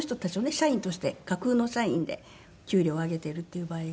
社員として架空の社員で給料をあげているっていう場合とかは。